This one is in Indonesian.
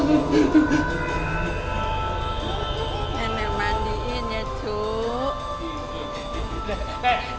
dia juga m gernemen beristirahat jadi si buckract